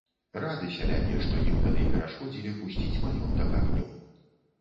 Рады сяляне, што ім тады перашкодзілі пусціць маёнтак агнём.